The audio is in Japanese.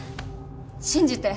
信じて。